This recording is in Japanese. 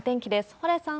蓬莱さん。